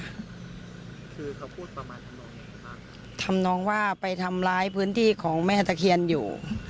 คือเขาพูดประมาณทำนองทำนองว่าไปทำร้ายพื้นที่ของแม่ตะเคียนอยู่